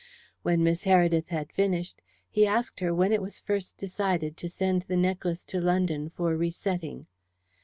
When Miss Heredith had finished, he asked her when it was first decided to send the necklace to London for resetting.